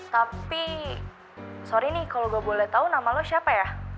tapi sorry nih kalau gak boleh tahu nama lo siapa ya